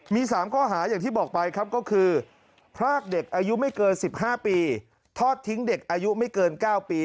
มี๓ข้อหาอย่างที่บอกไปครับก็คือพรากเด็กอายุไม่เกิน๑๕ปีทอดทิ้งเด็กอายุไม่เกิน๙ปี